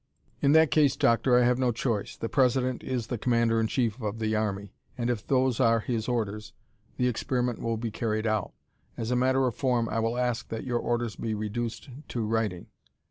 "In that case, Doctor, I have no choice. The President is the Commander in chief of the army, and if those are his orders the experiment will be carried out. As a matter of form, I will ask that your orders be reduced to writing."